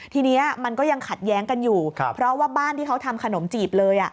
ทีนี้มันก็ยังขัดแย้งกันอยู่เพราะว่าบ้านที่เขาทำขนมจีบเลย